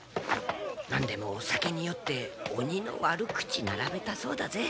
何でも酒に酔って鬼の悪口並べたそうだぜ。